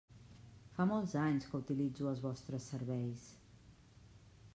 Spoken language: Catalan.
Fa molts anys que utilitzo els vostres serveis.